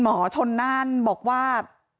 ลาออกจากหัวหน้าพรรคเพื่อไทยอย่างเดียวเนี่ย